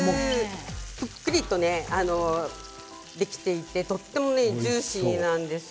ふっくりとできていてとってもジューシーなんですよ。